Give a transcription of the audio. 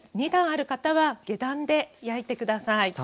２段ある方は下段で焼いて下さい。